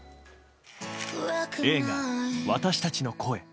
映画「私たちの声」。